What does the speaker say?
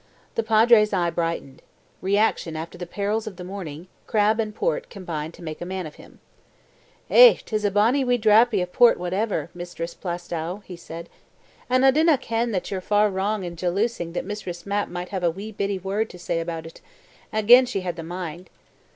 The Padre's eye brightened. Reaction after the perils of the morning, crab and port combined to make a man of him. "Eh, 'tis a bonney wee drappie of port whatever, Mistress Plaistow," he said. "And I dinna ken that ye're far wrang in jaloosing that Mistress Mapp might have a wee bitty word to say aboot it a', 'gin she had the mind."